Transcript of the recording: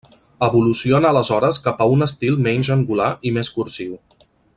Evoluciona aleshores cap a un estil menys angular i més cursiu.